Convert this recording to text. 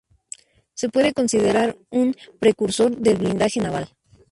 Se le puede considerar un precursor del blindaje naval.